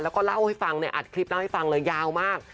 แล้วก็เล่าให้ฟังเนี่ยอัดคลิปเล่าให้ฟังเลยยาวมาก